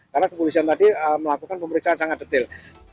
karena kepolisian tadi melakukan pemeriksaan sangat detil